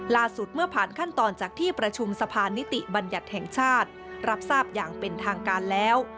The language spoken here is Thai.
ล่าสุดเมื่อผ่านขั้นตอนจากที่ประชุมสะพานนิติบัญญัติแห่งชาติรับทราบอย่างเป็นทางการแล้ว